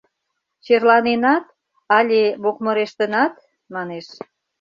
Черланенат, але мокмырештынат? — манеш.